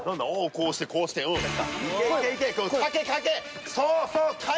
こうしてこうしてうん。